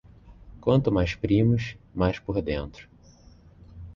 Quanto mais primos, mais por dentro.